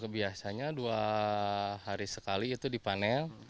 biasanya dua hari sekali itu dipanen